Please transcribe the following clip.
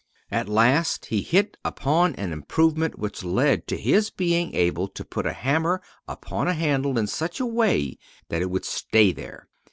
At last, he hit upon an improvement which led to his being able to put a hammer upon a handle in such a way that it would stay there.